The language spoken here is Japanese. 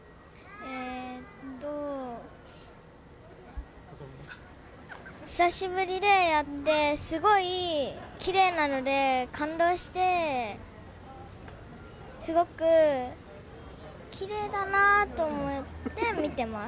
えーっと、久しぶりでやって、すごいきれいなので、感動して、すごくきれいだなと思って見てます。